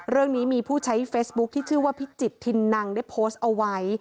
เรื่องนี้มีผู้ใช้เฟซบุ๊คที่ชื่อว่าพิจิตินนังได้โพสต์เอาไว้